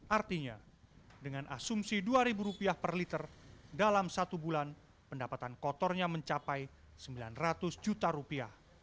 artinya dengan asumsi rp dua per liter dalam satu bulan pendapatan kotornya mencapai rp sembilan ratus juta rupiah